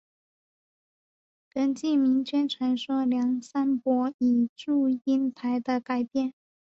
根据民间传说梁山伯与祝英台的改编。